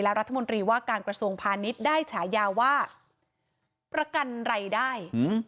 และรัฐมนตรีว่าการประสงค์พาณิชย์ได้ฉายาว่าประกันไรได้